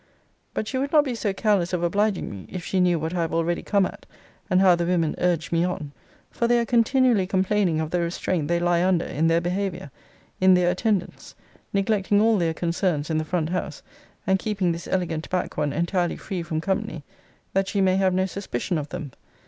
But she would not be so careless of obliging me, if she knew what I have already come at, and how the women urge me on; for they are continually complaining of the restraint they lie under in their behaviour; in their attendance; neglecting all their concerns in the front house; and keeping this elegant back one entirely free from company, that she may have no suspicion of them.